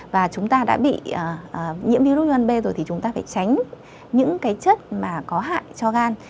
và chúng ta đã bị nhiễm virus viêm gan b rồi thì chúng ta phải tránh những chất có hại cho gan